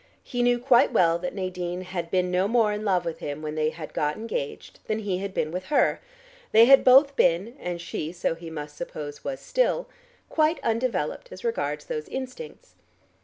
He knew quite well that Nadine had been no more in love with him, when they had got engaged, than he had been with her. They had both been, and she so he must suppose was still, quite undeveloped as regards those instincts.